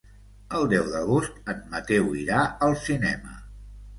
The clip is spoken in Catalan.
El deu d'agost en Mateu irà al cinema.